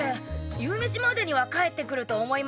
夕メシまでには帰ってくると思いますよ。